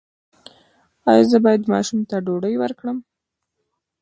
ایا زه باید ماشوم ته ډوډۍ ورکړم؟